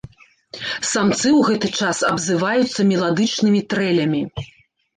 Самцы ў гэты час абзываюцца меладычнымі трэлямі.